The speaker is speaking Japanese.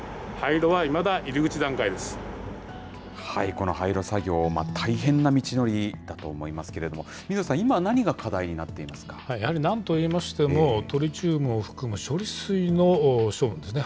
この廃炉作業、大変な道のりだと思いますけれども、水野さん、やはりなんといいましても、トリチウムを含む処理水の処分ですね。